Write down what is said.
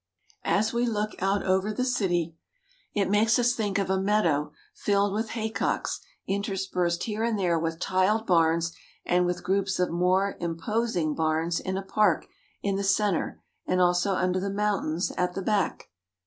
As we look over the city, it makes us think of a meadow filled with haycocks interspersed here and there with tiled barns and with groups of more imposing barns in a park in the center and also under the mountains at the back.